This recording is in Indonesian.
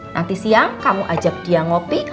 nanti siang kamu ajak dia ngopi